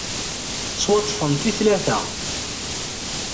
Ttwaṭṭfent i tlata.